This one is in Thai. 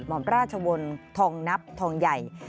หมอมราชวนทองนับทองใหญ่